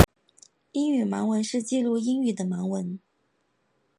英语盲文是记录英语的盲文。